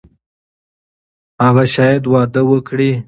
هغه شاید واده وکړي.